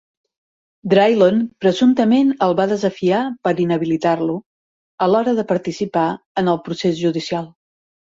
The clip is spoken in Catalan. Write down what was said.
Drilon presumptament el va desafiar per a inhabilitar-lo a l'hora de participar en el procés judicial.